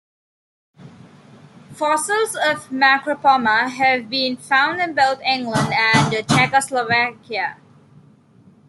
Fossils of "Macropoma" have been found in both England and Czechoslovakia.